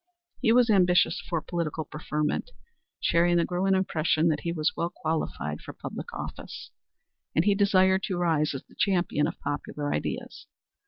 He was ambitious for political preferment, sharing the growing impression that he was well qualified for public office, and he desired to rise as the champion of popular ideas.